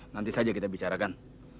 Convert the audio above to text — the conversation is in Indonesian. nanti saja kita bicarakan